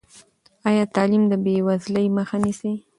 ایا تعلیم د بېوزلۍ مخه نیسي؟